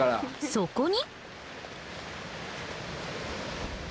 そこに。